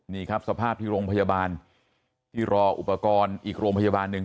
นี่ครับสภาพที่โรงพยาบาลที่รออุปกรณ์อีกโรงพยาบาลหนึ่ง